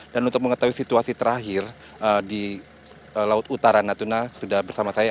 dan untuk mengetahui situasi terakhir di laut utara natuna sudah bersama saya